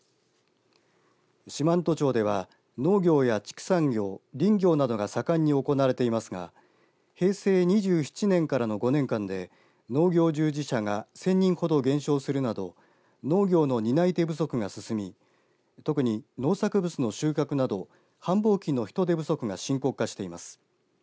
四万十町では農業や畜産業林業などが盛んに行われていますが平成２７年からの５年間で農業従事者が１０００人ほど減少するなど農業の担い手不足が進み特に農作物の収穫など繁忙期の人手不足が深刻化しています。